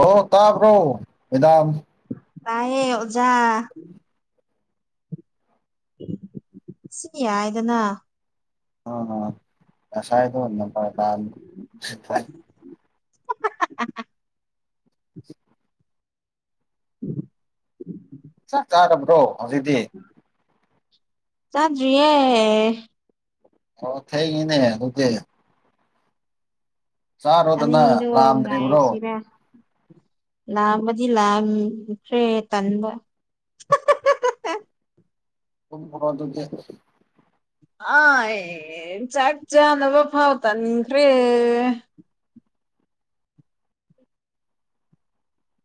ꯑꯣ ꯇꯥꯕ꯭ꯔꯣ ꯗꯥꯝ ꯇꯑꯦ ꯑꯣꯖꯥ ꯁꯤ ꯌꯥꯏꯗꯅ ꯑ ꯑꯁꯥꯏꯥꯏꯗ ꯄ ꯇ [unintelligible] [unintelligible] ꯎꯝ ꯆꯥꯛ ꯆꯥꯔꯕ꯭ꯔꯣ ꯍꯧꯖꯤꯛꯇꯤ ꯆꯥꯟꯗꯨꯌꯦ ꯑꯥꯎ ꯊꯩꯅꯦ ꯑꯗꯨꯨꯛꯇ ꯑꯗꯣ ꯂꯥꯝꯗ꯭ꯔꯤꯕ꯭ꯔꯣ ꯉꯁꯤꯕ ꯂꯥꯗꯤ ꯂꯥꯁ ꯇꯟꯕ ꯑꯗꯨꯗ ꯑꯥ ꯆꯥꯛ ꯆꯅꯕ ꯐꯥꯎ ꯇꯅꯤꯈꯦ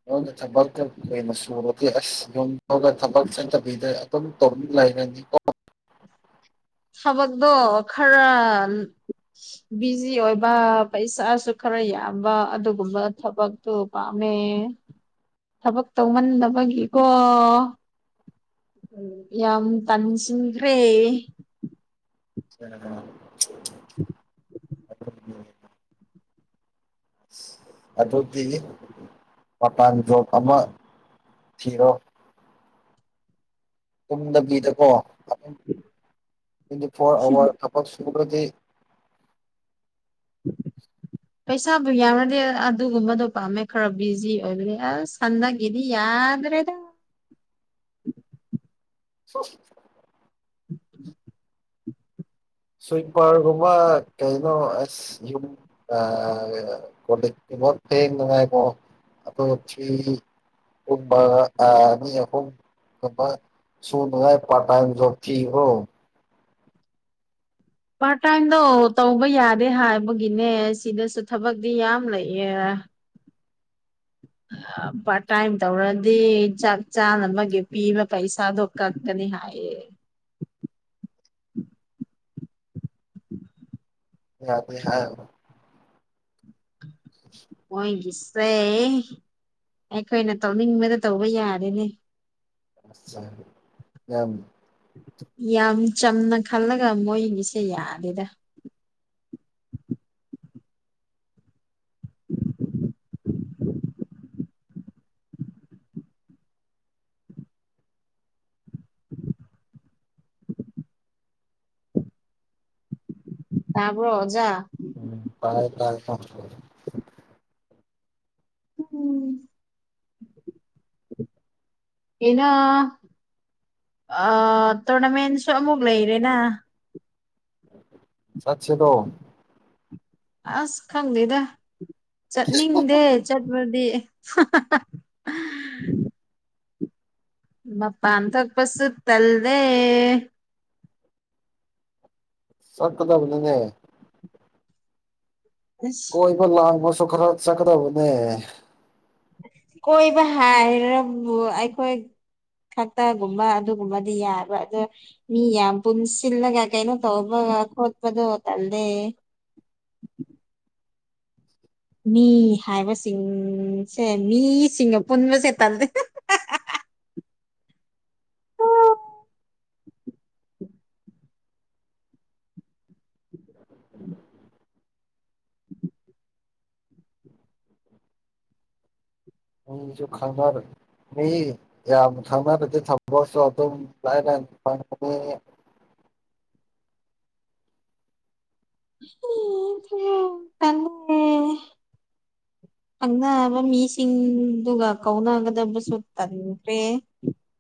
ꯌ ꯊꯕꯛꯇ ꯀꯩꯅ ꯁꯨꯔꯗꯤ ꯑꯁ ꯌꯒ ꯊꯕꯛ ꯆꯗ [unintelligible] ꯇꯧꯅꯤꯡ ꯂꯩꯔꯅꯤꯀꯣ ꯊꯕꯛꯇꯣ ꯈꯔ ꯕꯤꯖꯤ ꯑꯣꯏꯕ ꯄꯩꯁꯥꯁꯨ ꯈꯔ ꯌꯥꯝꯕ ꯑꯗꯨꯒꯨꯝꯕ ꯊꯕꯛꯇꯨ ꯄꯥꯝꯃꯦ ꯊꯕꯛ ꯇꯧꯃꯟꯕꯒꯤꯀꯣ ꯌꯥꯝ ꯇꯟꯁꯤꯈ꯭ꯔꯦ ꯁꯔ ꯀ [unintelligible] ꯑ ꯑꯗꯨꯗꯤ ꯃꯄꯥꯟꯖꯣ ꯑꯃ ꯔꯣ ꯇꯗꯕꯤꯗꯀꯣ꯭ꯋꯤ ꯐꯣꯔ ꯑꯋꯥꯔ ꯊ ꯁꯕ꯭ꯔꯗꯤ [unintelligible] ꯄꯩꯁꯥꯕꯨ ꯌꯥꯎꯅꯗꯤ ꯑꯗꯨꯒꯨꯝꯕꯗꯣ ꯄꯥꯝꯃꯦ ꯈꯔ ꯕꯤꯖꯤ ꯑꯣꯏꯕꯅꯤ ꯑꯁ ꯁꯟꯅꯒꯤꯗꯤ ꯌꯥꯏ ꯑꯥꯗ꯭ꯔꯦꯗ [inaudible] [inaudible] ꯁꯣ [inaudible] [inaudible] ꯁ꯭ꯋꯤꯄꯥꯔꯒꯨꯝꯕ ꯀꯩꯅꯣꯁ ꯌꯨꯝ ꯑ ꯐꯦꯡ ꯂꯉꯀꯣ ꯑ [unintelligible] [unintelligible] ꯑꯅꯤ ꯑꯍꯨꯝ [unintelligible] [unintelligible] [unintelligible] ꯄꯔ ꯇꯥꯏꯟꯗꯣ ꯇꯧꯕ ꯌꯥꯗꯦ ꯍꯥꯏꯕꯒꯤꯅꯦ ꯁꯤꯗꯁꯨ ꯊꯕꯛꯇꯤ ꯌꯥꯝ ꯂꯩꯌꯦ ꯑ [inaudible] ꯄꯥꯔꯠ ꯇꯥꯏꯝ ꯇꯧꯔꯗꯤ ꯆꯥꯛ ꯆꯥ ꯑꯃꯒꯤꯒꯤ ꯄꯤꯕ ꯄꯩꯁꯥꯗꯣ ꯀꯛꯀꯅꯤ ꯍꯥꯏꯌꯦ [inaudible] [inaudible] ꯌꯥꯗꯦ ꯍꯥꯢ ꯃꯣꯏꯒꯤꯁꯦ ꯑꯩꯈꯣꯏꯅ ꯇꯧꯅꯤꯡꯕꯗ ꯇꯧꯕ ꯌꯥꯔꯦꯅꯦ ꯌꯥꯝ ꯌꯥꯝ ꯆꯝꯅ ꯈꯜꯂꯒ ꯃꯣꯏꯒꯤꯁꯦ ꯌꯥꯗꯦꯗ ꯇꯥꯕ꯭ꯔꯣ ꯑꯣꯖꯥ ꯎꯝ ꯇꯥꯢ ꯇꯥꯢ ꯎꯝ ꯑꯦꯅꯥ ꯑ ꯇꯣꯔꯅꯥꯃꯦꯟꯁꯨ ꯑꯃꯨꯛ ꯂꯩꯔꯦꯅ ꯆꯁꯦꯗꯣ ꯑꯁ ꯈꯪꯗꯦꯗ ꯆꯠꯅꯤꯡꯗꯦ ꯆꯠꯄ ꯗꯤ ꯍꯥ ꯍꯥ ꯍꯥ ꯃꯥꯄꯥꯟ ꯊꯣꯄꯁꯨ ꯇꯜꯂꯦ ꯁꯀꯗꯕꯅꯤꯅꯦ ꯑꯁ ꯀꯣꯏꯕ ꯂꯥꯡꯕꯁꯨ ꯈꯔ ꯆꯠꯀꯗꯕꯅꯦ ꯀꯣꯏꯕ ꯍꯥꯏꯔ ꯑꯩꯈꯣꯏ ꯈꯛꯇꯒꯨꯝꯕ ꯑꯗꯨꯒꯨꯝꯕꯗꯤ ꯌꯥꯕ ꯑꯗꯣ ꯃꯤ ꯌꯥꯝ ꯄꯨꯟꯁꯤꯜꯂꯒ ꯀꯩꯅꯣ ꯇꯧꯕ ꯀꯣꯠꯄꯗꯣ ꯇꯂꯦ [inaudible] ꯃꯤ ꯍꯥꯏꯕꯁꯤꯡꯁꯦ ꯃꯤꯁꯤꯡꯒ ꯄꯨꯟꯕꯁꯦ ꯇꯟꯗꯦ [inaudible] ꯑꯩꯁꯨ ꯈꯪꯅ ꯃꯤ ꯈꯪꯅꯗꯤ ꯊꯝ ꯑꯗꯨꯝ ꯂꯥꯢꯔ ꯄꯗꯤ ꯑꯗꯨ ꯇꯦ ꯈꯪꯅꯕ ꯃꯤꯁꯤꯡꯗꯨꯒ ꯀꯧꯅꯒꯗꯕꯁꯨ ꯇꯟꯈ꯭ꯔꯦ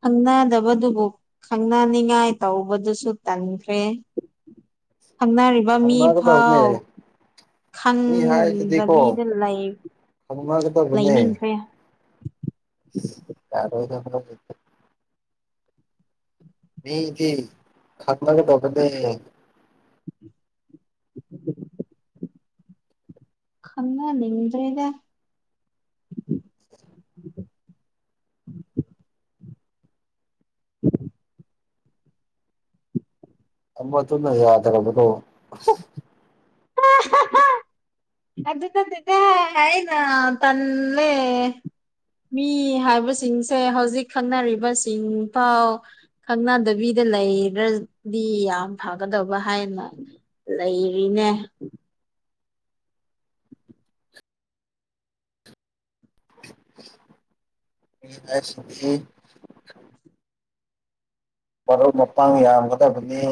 ꯈꯪꯅꯗꯕꯗꯨꯕꯨ ꯈꯪꯅꯅꯤꯉꯥꯏ ꯇꯧꯕꯗꯨꯁꯨ ꯇꯟꯈ꯭ꯔꯦ ꯈꯪꯅꯔꯤꯕ ꯃꯤ ꯐꯥꯎ ꯈꯪꯅꯒꯗꯕꯅꯦ ꯃꯤ ꯍꯥꯏꯁꯤꯗꯤꯀꯣ ꯈꯪꯗꯕꯤꯗ ꯂꯩ ꯈꯪꯅꯒꯗꯕꯅꯦ ꯂꯩꯅꯤꯡꯈꯦ [unintelligible] ꯃꯤꯗꯤ ꯈꯪꯅꯒꯗꯕꯅꯦ [inaudible] ꯈꯪꯅꯅꯤꯡꯗ꯭ꯔꯦꯗ [inaudible] [inaudible] ꯑꯝꯕꯇꯨꯅ ꯌꯥꯗꯔꯄ ꯇꯣ [unintelligible] ꯑꯗꯨ ꯆꯗ ꯍꯥꯏꯅ ꯇꯝꯃꯦ ꯃꯤ ꯍꯥꯏꯕꯁꯤꯡꯁꯦ ꯍꯧꯖꯤꯛ ꯈꯪꯅꯔꯤꯕꯁꯤꯡ ꯄꯥꯎ ꯈꯪꯅꯗꯕꯤꯗ ꯂꯩꯈ꯭ꯔꯗꯤ ꯌꯥꯝ ꯐꯒꯗꯕ ꯍꯥꯏꯅ ꯂꯩꯔꯤꯅꯦ ꯄ ꯑꯦꯁ ꯃꯔꯨꯞ ꯃꯄꯥꯡ ꯌꯥꯝꯒꯗꯕꯅꯤ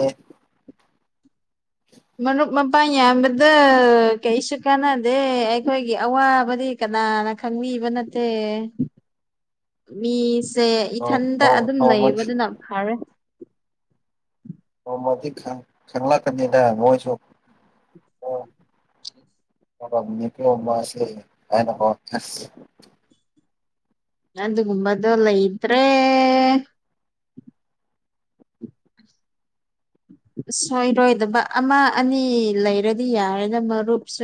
ꯃꯔꯨꯞ ꯃꯄꯥꯡ ꯌꯥꯝꯕꯗ ꯀꯩꯁꯨ ꯀꯥꯟꯅꯗꯦ ꯑꯩꯈꯣꯏꯒꯤ ꯑꯋꯥꯕꯗꯤ ꯅꯥꯅ ꯈꯪꯕꯤꯕ ꯅꯠꯇꯦ ꯃꯤ ꯁꯦ ꯏꯊꯟꯇ ꯑꯗꯨꯝ ꯅꯣꯡꯃꯗꯤ ꯂꯩꯕꯗꯨꯅ ꯐꯔꯦ ꯃꯗꯤ ꯈꯪꯂ ꯀꯗ ꯄꯣꯁꯦ ꯍꯥꯏꯅ ꯀ ꯌꯥꯗꯨꯒꯨꯝꯕꯗꯂ ꯏꯗ꯭ꯔꯦ ꯁꯣꯏꯔꯣꯏꯗꯕ ꯑꯃ ꯑꯅꯤ ꯂꯩꯔꯗꯤ ꯌꯥꯔꯦꯅ ꯃꯔꯨꯞꯁꯨ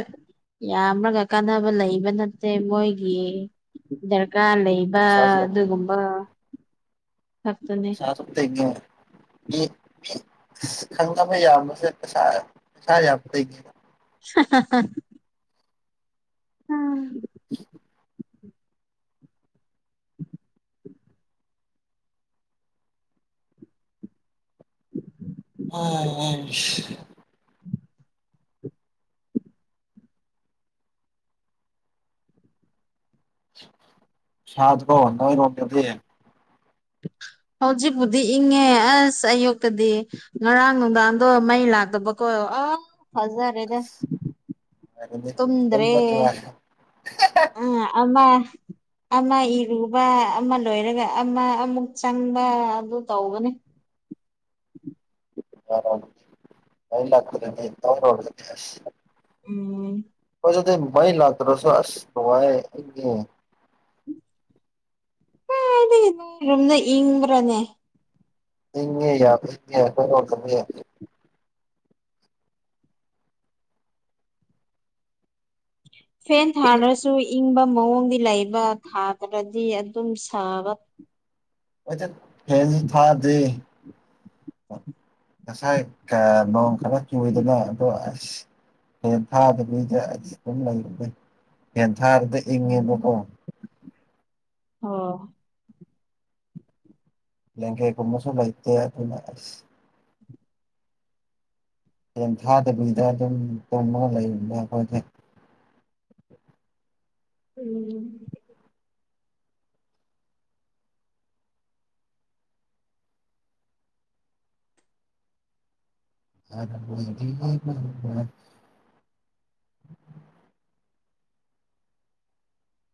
ꯌꯥꯝ꯭ꯔꯒ ꯀꯥꯟꯅꯕ ꯂꯩꯕ ꯅꯠꯇꯦ ꯃꯣꯏꯒꯤ ꯗꯔꯀꯥꯔ ꯂꯩ ꯂꯩꯕ ꯄꯩꯁꯥꯁꯨ ꯑꯗꯨꯒꯨꯝꯕ ꯈꯛꯇꯅꯦ ꯁꯥꯇ ꯈꯪꯒꯥ ꯍꯣꯏ ꯌꯥ ꯃꯁꯦ ꯄꯁꯥꯁꯥ ꯌꯥ ꯀ ꯍ ꯎꯝ [unintelligible] [unintelligible] ꯑ ꯁꯥꯖꯕ ꯅꯗꯤ [unintelligible] ꯍꯧꯖꯤꯛꯄꯨꯗꯤ ꯏꯪꯉꯦ ꯑꯁ ꯑꯌꯨꯛꯇꯗꯤ ꯉꯔꯥꯡ ꯅꯨꯡꯗꯥꯡꯗꯣ ꯃꯩ ꯂꯥꯛꯇꯕꯀꯣ ꯑ [unintelligible] ꯐꯖꯔꯦꯗ ꯇꯨꯝꯗ꯭ꯔꯦ ꯑ ꯆ ꯑꯃ ꯑꯃ ꯏꯔꯨꯕ ꯑꯃ ꯂꯣꯏꯔꯒ ꯑꯃ ꯑꯃꯨꯛ ꯆꯪꯕ ꯑꯗꯨ ꯇꯧꯕꯅꯦ ꯑ ꯂꯥꯛꯗ ꯇ ꯎꯝ ꯀꯖꯗ ꯃꯥꯏ ꯂꯥꯛꯇꯔꯣꯁꯣ ꯑꯁ ꯉ ꯏ ꯎꯔꯣꯝꯗ ꯏ꯭ꯔꯅꯦ ꯏꯟꯉꯦ꯫ ꯐꯦꯟ ꯊꯥꯔꯁꯨ ꯏꯪꯕ ꯃꯑꯣꯡꯒꯤ ꯂꯩꯕ ꯊꯥꯗ꯭ꯔꯗꯤ ꯑꯗꯨꯝ ꯁꯥꯕ ꯐꯦꯟ ꯊꯥ ꯗꯦ ꯊꯁꯥꯏ ꯃꯑꯣꯡ ꯈꯔ ꯀꯨꯏꯗꯅ ꯑꯗꯣ ꯑꯁ ꯍꯌꯦ ꯊꯥꯗꯕꯤꯗ ꯑꯩꯁ ꯑꯗꯨꯝ ꯂꯩꯔ ꯌꯦꯟ ꯊꯥꯔꯗ ꯏꯪꯉꯦꯕꯀꯣ ꯑꯣ ꯂꯦꯡꯒꯦꯒꯨꯝꯃꯁꯂ ꯏ ꯐꯦꯟ ꯊꯥꯗꯕꯤꯗ ꯑꯗꯨꯝ ꯇꯨꯝꯃ ꯂꯩꯅ ꯍꯣꯠꯅꯩ [unintelligible] ꯎꯝ ꯑ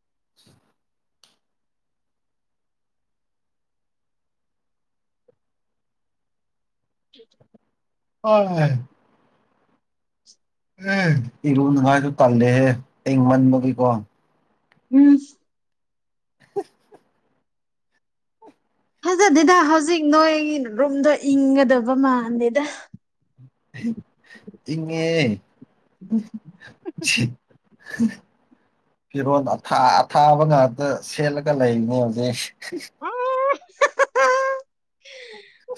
[unintelligible] ꯎ ꯍ [inaudible] ꯏꯕꯨꯕꯨ ꯅꯉꯥꯏ ꯇꯜꯦꯍꯦ ꯇ ꯃꯕꯒ ꯀꯣ ꯎꯝ [unintelligible] ꯐꯖꯗꯦꯗ ꯍꯧꯖꯤꯛ ꯅꯣꯏ ꯔꯨꯝꯗꯣ ꯏꯪꯒꯗꯕ ꯃꯥꯟꯗꯦꯗ ꯏꯉꯦ ꯁꯤ ꯐꯤꯔꯣꯜ ꯑ ꯑꯊꯥꯕ ꯉꯥꯛꯇ ꯁꯦꯠꯂꯒ ꯂꯩꯔꯤꯅꯦ ꯍꯧꯖꯤꯛ ꯑ [unintelligible] ꯍ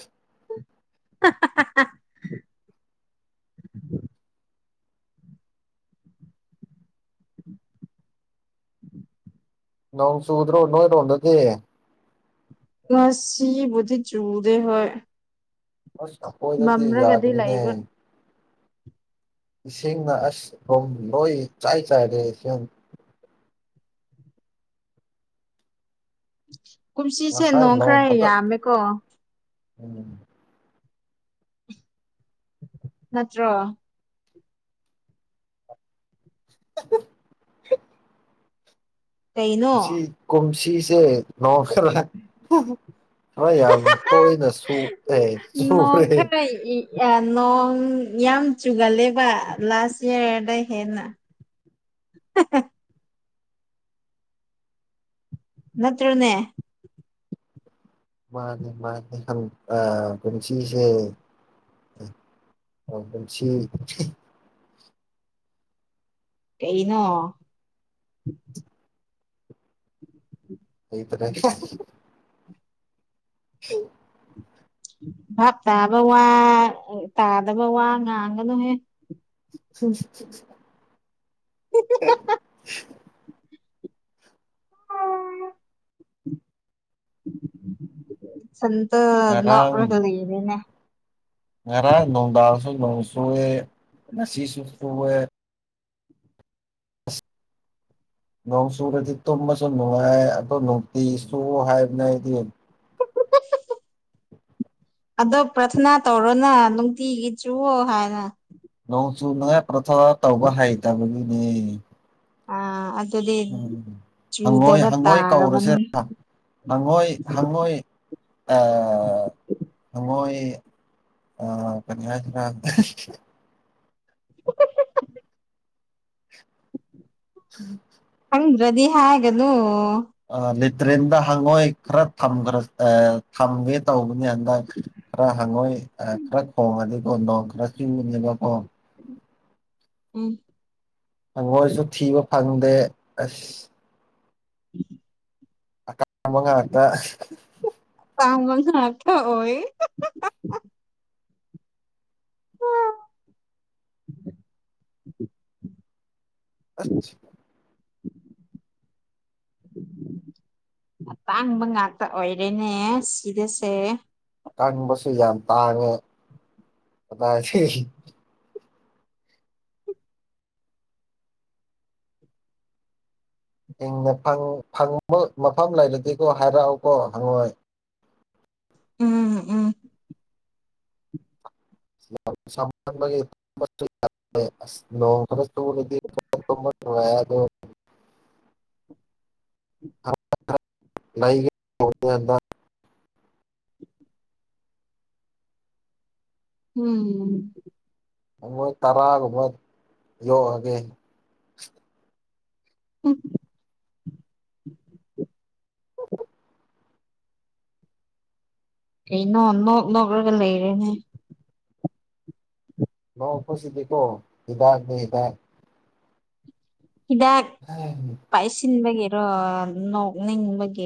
[unintelligible] ꯅꯣꯡ ꯁꯨꯗ ꯔꯣꯅꯔꯣꯗꯗꯤ ꯉꯁꯤ ꯆꯨꯗꯦ ꯍꯣꯏ ꯑꯁ ꯆꯄꯣꯏꯗꯗꯤ ꯃꯝꯔꯒꯗꯤ ꯌꯥꯗ꯭ꯔꯅꯦ ꯂꯩꯕ ꯏꯁꯤꯡꯅ ꯑꯁ ꯔꯨꯝ ꯂꯣꯏ ꯆꯥꯏ ꯆꯥꯏꯔꯦꯁꯤꯡ ꯀꯨꯝꯁꯤꯁꯦ ꯉꯁꯥꯏ ꯅꯣꯡ ꯈꯔ ꯐꯖ ꯌꯥꯝꯃꯦꯀꯣ ꯎꯝ ꯅꯠꯇ꯭ꯔꯣ [unintelligible] ꯀꯩꯅꯣ ꯀꯁꯤ ꯀꯨꯝꯁꯤꯁꯦ ꯅ ꯈꯔ ꯈꯔ ꯌꯥꯝ ꯇꯣꯏꯅ ꯅꯣꯡ ꯁꯨꯔꯦ ꯈꯔ ꯅꯣꯡ ꯌꯥꯝ ꯆꯨꯒꯜꯂꯦꯕ ꯂꯥꯁ ꯏꯌꯥꯔꯗ ꯍꯦꯟꯅ [unintelligible] ꯅꯠꯇ꯭ꯔꯅꯦ ꯃꯥꯅꯦ ꯃꯥꯅꯦ ꯄꯨꯟꯁꯤꯁꯦ ꯁꯤ ꯀꯩꯅꯣ ꯑꯩ ꯐꯔ ꯍ ꯚꯥꯞ ꯇꯥꯕ ꯋꯥ ꯇꯥꯗꯕ ꯋꯥ ꯉꯥꯡꯒꯅꯨꯍꯦ ꯁꯁꯤ [inaudible] ꯁꯇ ꯅ ꯉꯔꯥꯡ ꯂꯩꯗꯅꯦ ꯉꯔꯥꯡ ꯅꯨꯡꯗꯥꯡꯁꯨ ꯅꯣꯡ ꯁꯨꯑꯦ ꯉꯁꯤꯁꯨ ꯁꯣꯛꯑꯦ ꯅꯣꯡ ꯁꯨꯔꯗꯤ ꯇꯨꯝꯕꯁꯨ ꯅꯨꯡꯉꯥꯏ ꯑꯗꯨ ꯅꯨꯡꯇꯤ ꯁꯨ ꯍꯥꯏꯕꯅꯦ ꯑꯩꯗꯤ [inaudible] ꯑꯗꯣ ꯄ꯭ꯔꯥꯊꯅꯥ ꯇꯧꯔꯣꯅ ꯅꯨꯡꯇꯤꯒꯤ ꯆꯨꯣ ꯍꯥꯏꯅ ꯅꯣꯡꯁꯨ ꯅ ꯄ꯭ꯔꯊꯥ ꯇꯧꯕ ꯍꯩꯇꯕꯒꯤꯅꯦ ꯑ ꯎꯝ ꯍꯪꯉꯣꯏ ꯍꯪꯉꯣꯏ ꯇꯥꯔꯕꯅꯤ ꯀꯧꯔꯁꯦꯔ ꯍꯪꯉꯣꯏ ꯍꯪꯉꯣꯏ [inaudible] ꯍꯣꯏ ꯑ ꯀꯩꯅ [unintelligible] ꯎꯝ ꯗꯤ ꯍꯥꯏ ꯑꯗꯨ ꯂꯤꯦꯇ꯭ꯔꯔꯤꯦꯟꯗ ꯍꯪꯉꯣꯏ ꯈꯔ ꯊꯝꯈ꯭ꯔ ꯊꯝꯒꯦ ꯇꯧꯒꯦ ꯅꯦ ꯍꯟꯗꯛ ꯈꯔ ꯍꯪꯉꯣꯏ ꯈꯔ ꯈꯣꯡꯉꯗꯤ ꯀꯣꯟ ꯅꯣꯡ ꯈꯔ ꯆꯤꯡꯉꯨꯅꯦꯕꯀꯣ ꯎꯝ ꯊꯉꯣꯏꯁꯨ ꯊꯤꯕ ꯐꯪꯗꯦ ꯑꯁ ꯎꯝ ꯑꯃꯉ ꯑꯠꯇ ꯅꯅꯥ ꯊ ꯑꯣꯏꯣꯏ ꯑ ꯑꯇꯥꯡꯕ ꯉꯥꯛꯇ ꯑꯣꯏꯔꯦꯅꯦ ꯁꯤꯗꯁꯦ ꯀꯟꯕꯁꯨ ꯌꯥꯝ ꯇꯥꯉ ꯑ ꯪ ꯐꯪꯕ ꯃꯐꯝ ꯂꯩꯔꯗꯤꯦꯀꯣ ꯍꯥꯏꯔꯛꯎꯀꯣ ꯍꯪꯉꯣꯏ ꯎꯝꯝ ꯎꯝ ꯁꯃ ꯅꯣꯡꯈ꯭ꯔ ꯆ ꯀ [unintelligible] ꯎꯝ ꯣꯏ ꯇꯔꯥꯒ ꯃ ꯌꯣꯑꯒꯦ ꯎꯝ ꯀꯩꯅꯣ ꯅꯣꯛ ꯅꯣꯛꯂꯒ ꯂꯩꯔꯦꯅꯦ ꯂ ꯈꯨꯁꯤꯗꯤꯀꯣ ꯍꯗꯥꯖꯅꯤꯗ ꯍꯤꯗꯥꯛ ꯄꯥꯏꯁꯤꯟꯕꯒꯤꯔꯣ ꯅꯣꯛꯅꯤꯡꯕꯒꯤ